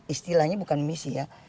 istilahnya bukan misi ya